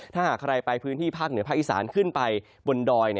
ถ้าหากใครไปพื้นที่ภาคเหนือภาคอีสานขึ้นไปบนดอย